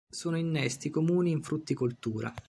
Sono innesti comuni in frutticoltura.